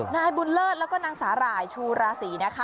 นายบุญเลิศแล้วก็นางศาลายชุรศรีนะคะ